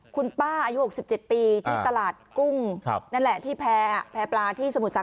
คุณป้าอายุ๖๗ปีที่ตลาดกุ้งนั่นแหละที่แพร่ปลาที่สมุทรสา